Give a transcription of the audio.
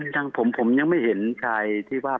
ยังผมยังไม่เห็นชายที่บ้าน